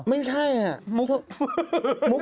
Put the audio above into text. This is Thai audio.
ไม่ใช่มุก